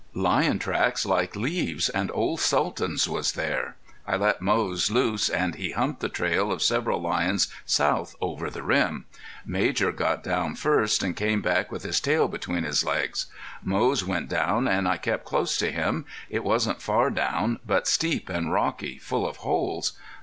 Lion tracks like leaves, and old Sultan's was there. I let Moze loose and he humped the trail of several lions south over the rim. Major got down first an' came back with his tail between his legs. Moze went down and I kept close to him. It wasn't far down, but steep and rocky, full of holes.